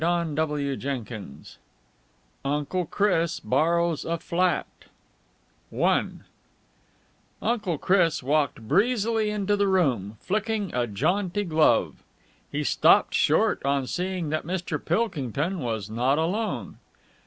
CHAPTER XII UNCLE CHRIS BORROWS A FLAT I Uncle Chris walked breezily into the room, flicking a jaunty glove. He stopped short on seeing that Mr. Pilkington was not alone.